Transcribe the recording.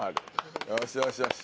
よしよしよし。